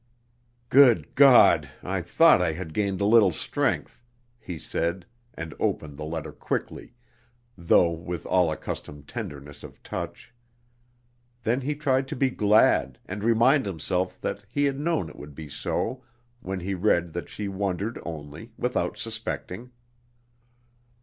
"Good God, I thought I had gained a little strength!" he said, and opened the letter quickly, though with all accustomed tenderness of touch. Then he tried to be glad, and remind himself that he had known it would be so, when he read that she wondered only, without suspecting.